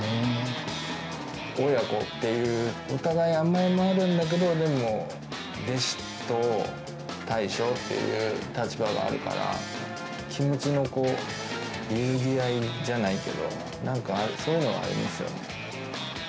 親子っていう、お互い、甘えもあるんだけど、でも、弟子と大将っていう立場があるから、気持ちの揺るぎ合いじゃないけど、なんか、そういうのはありますよ